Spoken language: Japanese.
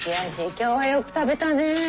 今日はよく食べたね。